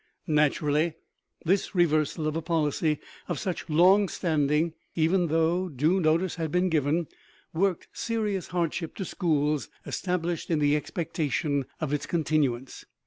Naturally this reversal of a policy of such long standing, even though due notice had been given, worked serious hardship to schools established in the expectation of its continuance.